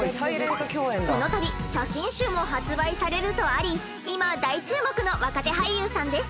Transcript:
この度写真集も発売されるとあり今大注目の若手俳優さんです。